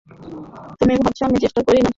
তুমি ভাবছ আমি চেষ্টা করছি না!